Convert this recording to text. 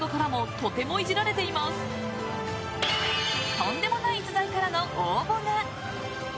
とんでもない逸材からの応募が！